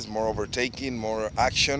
lebih banyak pengalaman lebih banyak aksi di jalan